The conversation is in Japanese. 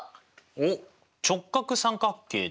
おっ直角三角形ですね。